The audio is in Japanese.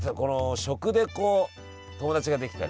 食で友達ができたりさ。